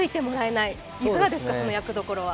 いかがですか、その役どころは。